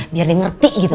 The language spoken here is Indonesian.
biar dia ngerti gitu loh